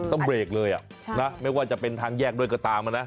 ต้องเบรกเลยนะไม่ว่าจะเป็นทางแยกด้วยก็ตามนะ